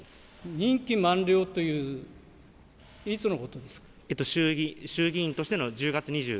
任期満了という、いつのこと衆議院としての１０月２１。